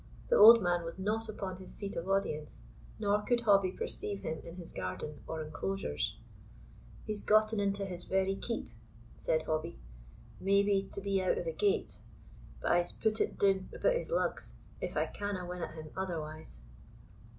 The old man was not upon his seat of audience, nor could Hobbie perceive him in his garden, or enclosures. "He's gotten into his very keep," said Hobbie, "maybe to be out o' the gate; but I'se pu' it doun about his lugs, if I canna win at him otherwise."